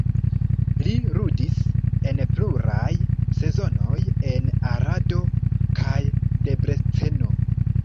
Li ludis en pluraj sezonoj en Arado kaj Debreceno.